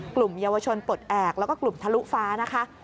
กลุ่มเยาวชนปลดแอบแล้วก็กลุ่มทะลุฟ้านะคะ